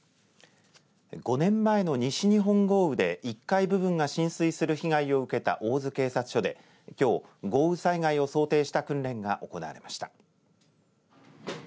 ５年前の西日本豪雨で１階部分が浸水する被害を受けた大洲警察署できょう豪雨災害を想定した訓練が行われました。